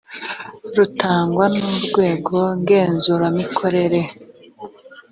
rutangwa n urwego ngenzuramikorere